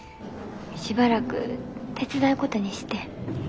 しばらく手伝うことにしてん。